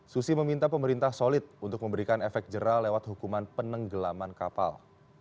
susi meminta pemerintah solid untuk memberikan efek jerah lewat hukuman penenggelaman kapal